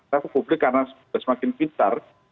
saya pikir publik karena semakin pintar